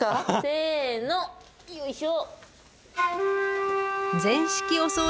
せのよいしょ。